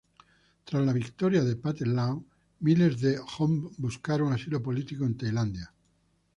Tras la victoria del Pathet Lao, miles de hmong buscaron asilo político en Tailandia.